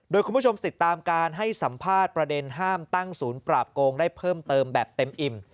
โดยคุณผู้ชมติดตามการให้สัมภาษณ์ประเด็นห้ามตั้งศูนย์ปราบโกงได้เพิ่มเติมแบบเต็มอิ่ม